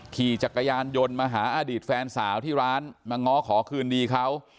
ขี่จักรยานยนต์มาหาอดีตแฟนสาวที่ร้านมาง้อขอคืนดีเขา